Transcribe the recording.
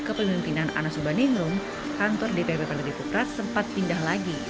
kepemimpinan anas ubaningrum kantor dpp partai demokrat sempat pindah lagi